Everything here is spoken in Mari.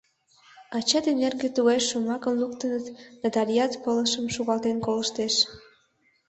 Ача ден эрге тугай шомакым луктыныт — Наталият пылышым шогалтен колыштеш.